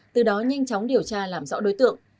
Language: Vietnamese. từ đó nhanh chóng điều tra làm rõ đối tượng